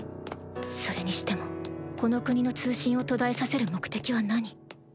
それにしてもこの国の通信を途絶えさせる目的は何？